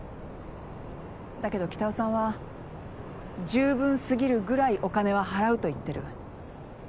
だけど北尾さんは十分すぎるぐらいお金は払うと言ってる。